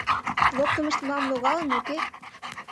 Локтымышт мылам логалын, уке?